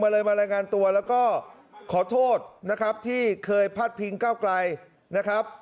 เลยมารายงานตัวแล้วก็ขอโทษนะครับที่เคยพาดพิงเก้าไกลนะครับ